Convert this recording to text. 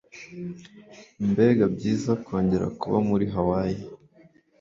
Mbega byiza kongera kuba muri Hawaii!